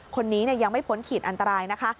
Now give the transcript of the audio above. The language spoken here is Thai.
คนนี้ยังไม่พ้นขีดอันตรายนะคะ